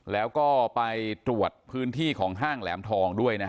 แล้วก็ไปตรวจพื้นที่ของห้างแหลมทองด้วยนะฮะ